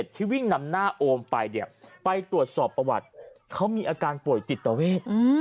ที่วิ่งนำหน้าโอมไปเนี่ยไปตรวจสอบประวัติเขามีอาการป่วยจิตเวท